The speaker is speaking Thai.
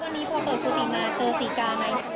แล้ววันนี้พอเปิดภูมิมาเจอสีกาไหม